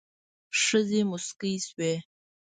ښځې موسکې شوې.